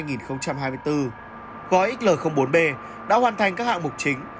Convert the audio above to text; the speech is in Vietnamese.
gói xl bốn b đã hoàn thành các hạng mục chính